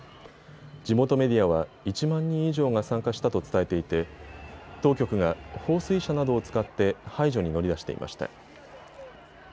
地元メディアは１万人以上が参加したと伝えていて当局が放水車などを使って排除に乗り出していました。